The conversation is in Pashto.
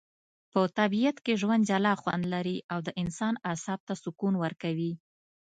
په طبیعت کي ژوند جلا خوندلري.او د انسان اعصاب ته سکون ورکوي